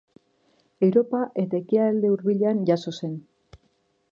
Europa eta Ekialde Hurbilean jazo zen.